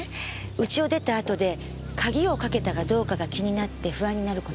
家を出た後で鍵をかけたかどうかが気になって不安になること。